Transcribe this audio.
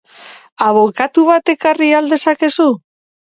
Abokatu bat ekar al dezakegu?